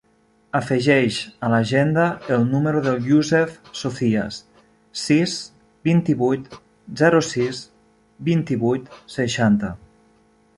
Afegeix a l'agenda el número del Youssef Socias: sis, vint-i-vuit, zero, sis, vint-i-vuit, seixanta.